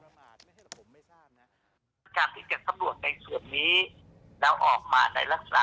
เพื่อให้เกิดความมั่นใจในตัวบุคคล